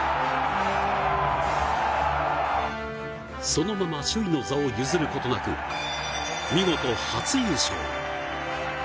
そのまま首位の座を譲ることなく見事、初優勝。